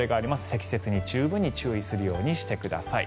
積雪に十分に注意するようにしてください。